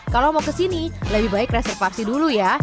kalau mau kesini lebih baik reservasi dulu ya